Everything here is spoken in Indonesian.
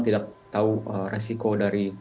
tidak tahu resiko dari